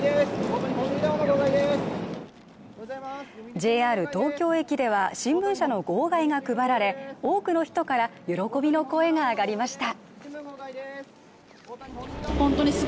ＪＲ東京駅では、新聞社の号外が配られ、多くの人から喜びの声が上がりました。